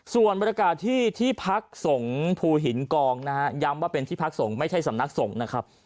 ส่วนบรรยากาศที่ที่พักสงฆ์ภูหินกองนะฮะย้ำว่าเป็นที่พักสงฆ์ไม่ใช่สำนักสงฆ์นะครับ